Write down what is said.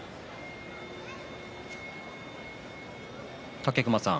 武隈さん